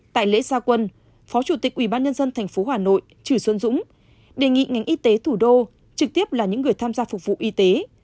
tại lễ gia quân phó chủ tịch ubnd tp hà nội trừ xuân dũng đề nghị ngành y tế thủ đô trực tiếp là những người tham gia phục vụ y tế